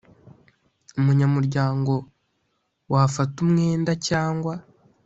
umunyamuryango wafata umwenda cyangwa